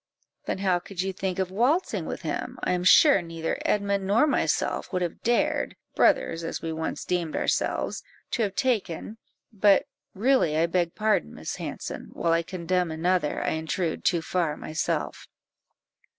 "Then how could you think of waltzing with him? I am sure neither Edmund nor myself would have dared (brothers as we once deemed ourselves) to have taken but really I beg pardon, Miss Hanson; while I condemn another, I intrude too far myself."